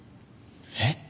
えっ？